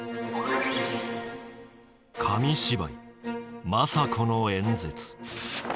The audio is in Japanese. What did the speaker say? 紙芝居「政子の演説」。